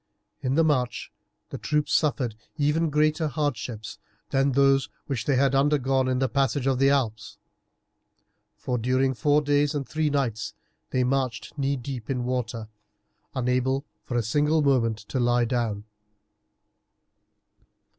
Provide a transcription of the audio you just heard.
In the march the troops suffered even greater hardships than those which they had undergone in the passage of the Alps, for during four days and three nights they marched knee deep in water, unable for a single moment to lie down.